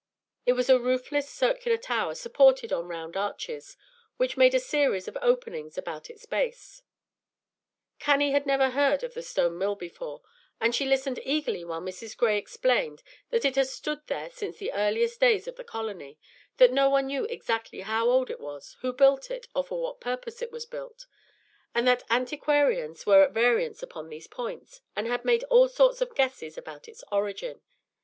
It was a roofless circular tower, supported on round arches, which made a series of openings about its base. Cannie had never heard of the Stone Mill before, and she listened eagerly while Mrs. Gray explained that it had stood there since the earliest days of the Colony; that no one knew exactly how old it was, who built it, or for what purpose it was built; and that antiquarians were at variance upon these points, and had made all sorts of guesses about its origin.